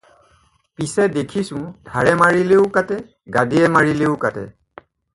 পিচে দেখিছোঁ ধাৰে মাৰিলেও কাটে, গাদিয়ে মাৰিলেও কাটে।